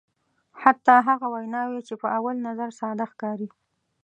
حتی هغه ویناوی چې په اول نظر ساده ښکاري.